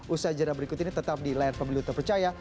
usai jeda berikut ini tetap di layar pembeli untuk percaya